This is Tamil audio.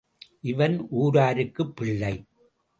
இவன் ஊராருக்குப் பிள்ளை.